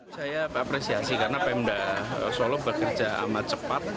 saya apresiasi karena pemda solo bekerja amat cepat